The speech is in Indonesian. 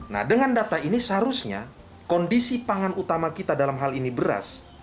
nah dengan data ini seharusnya kondisi pangan utama kita dalam hal ini beras